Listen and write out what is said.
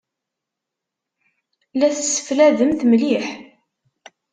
La tesseflademt mliḥ?